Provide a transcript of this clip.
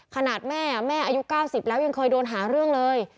ขนาดแม่แม่อายุ๙๐แล้วยังเคยโดนหาเรื่องเลย